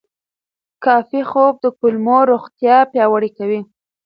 کافي خوب د کولمو روغتیا پیاوړې کوي.